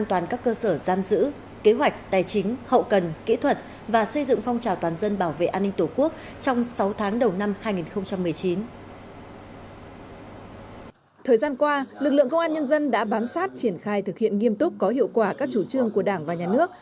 thời gian qua lực lượng công an nhân dân đã bám sát triển khai thực hiện nghiêm túc có hiệu quả các chủ trương của đảng và nhà nước